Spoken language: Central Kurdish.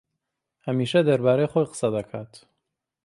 ھەمیشە دەربارەی خۆی قسە دەکات.